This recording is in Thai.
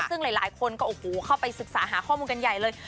ซึ่งหลายคนก็โอ้โหเข้าไปศึกษาหาข้อมูลกันใหญ่เลย